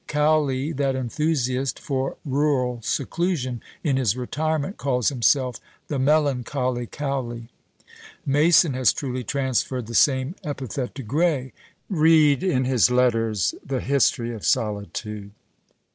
Cowley, that enthusiast for rural seclusion, in his retirement calls himself "The melancholy Cowley." Mason has truly transferred the same epithet to Gray. Bead in his letters the history of solitude.